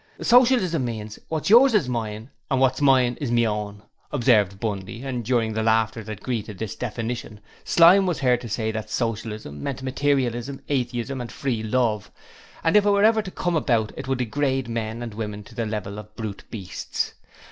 'Socialism means, "What's yours is mine, and what's mine's me own,"' observed Bundy, and during the laughter that greeted this definition Slyme was heard to say that Socialism meant Materialism, Atheism and Free Love, and if it were ever to come about it would degrade men and women to the level of brute beasts.